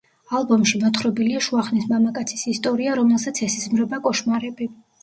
ალბომში მოთხრობილია შუა ხნის მამაკაცის ისტორია, რომელსაც ესიზმრება კოშმარები.